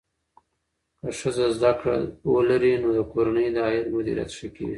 که ښځه زده کړه ولري، نو د کورنۍ د عاید مدیریت ښه کېږي.